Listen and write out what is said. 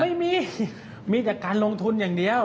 ไม่มีมีแต่การลงทุนอย่างเดียว